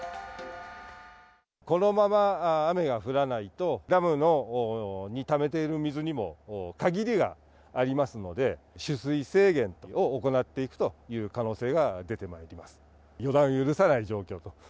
このまま雨が降らないと、ダムにためている水にも限りがありますので、取水制限を行っていくという可能性が出てまいります。